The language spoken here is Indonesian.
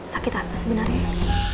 sakit apa sebenarnya